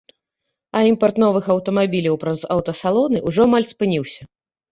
А імпарт новых аўтамабіляў праз аўтасалоны ўжо амаль спыніўся.